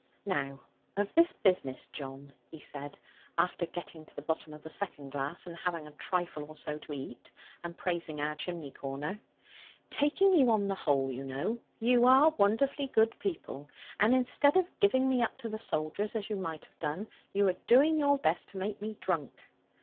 'Now of this business, John,' he said, after getting to the bottom of the second glass, and having a trifle or so to eat, and praising our chimney corner; 'taking you on the whole, you know, you are wonderfully good people; and instead of giving me up to the soldiers, as you might have done, you are doing your best to make me drunk.'